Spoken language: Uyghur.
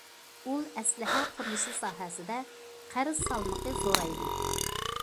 ئۇل ئەسلىھە قۇرۇلۇشى ساھەسىدە قەرز سالمىقى زورايدى.